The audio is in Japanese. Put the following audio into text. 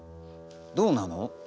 どうなの？